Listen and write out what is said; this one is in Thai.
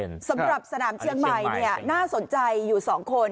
สำหรับสนามเชียงใหม่น่าสนใจอยู่๒คน